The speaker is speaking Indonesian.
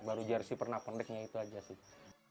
baru jersi pernak perniknya itu aja sih